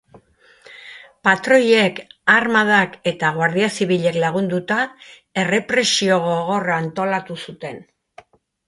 Patroiek, armadak eta Guardia Zibilek lagunduta, errepresio gogorra antolatu zuten.